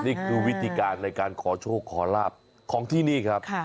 นี่คือวิธีการในการขอโชคขอลาบของที่นี่ครับ